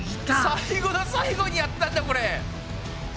最後の最後にやってたんだこれ！